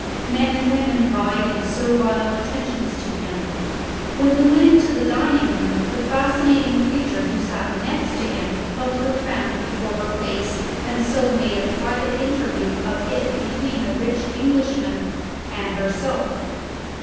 Men and women vied in servile attentions to him. When we went into the dining room, the fascinating creature who sat next to him held her fan before her face, and so made a private interview of it between the rich Englishman and herself.